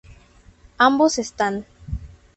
Ambos están